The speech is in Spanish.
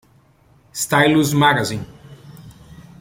Stylus Magazine